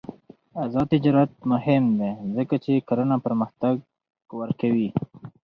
آزاد تجارت مهم دی ځکه چې کرنه پرمختګ ورکوي.